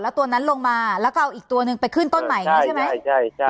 แล้วตัวนั้นลงมาแล้วก็เอาอีกตัวหนึ่งไปขึ้นต้นใหม่อย่างนี้ใช่ไหม